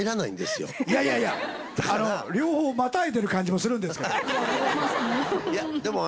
いやいやいや両方またいでる感じもするんですけど。